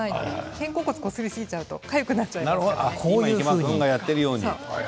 肩甲骨、こすりすぎちゃうとかゆくなっちゃいます。